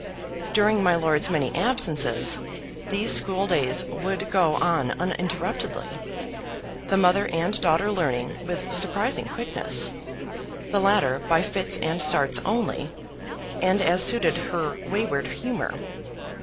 During my lord's many absences, these school days would go on uninterruptedly: the mother and daughter learning with surprising quickness; the latter by fits and starts only, and as suited her wayward humor.